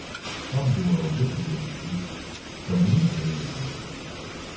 Там була робота по душі та були приятелі!